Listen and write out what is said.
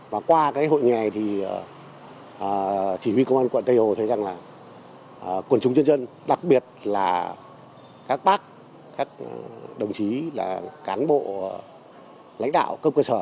và qua hội ngày thì chỉ huy công an quận tây hồ thấy rằng là quận trung dân dân đặc biệt là các bác các đồng chí là cán bộ lãnh đạo cơ cơ sở